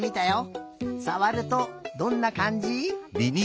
さわるとどんなかんじ？